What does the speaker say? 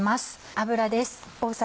油です。